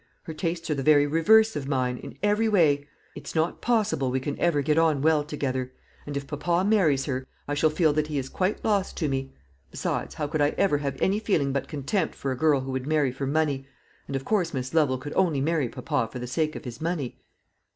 Her tastes are the very reverse of mine, in every way. It's not possible we can ever get on well together; and if papa marries her, I shall feel that he is quite lost to me. Besides, how could I ever have any feeling but contempt for a girl who would marry for money? and of course Miss Lovel could only marry papa for the sake of his money."